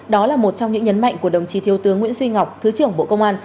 đó là một trong những nhấn mạnh của đồng chí thiếu tướng nguyễn duy ngọc thứ trưởng bộ công an